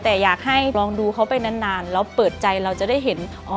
แต่อยากให้ลองดูเขาไปนานแล้วเปิดใจเราจะได้เห็น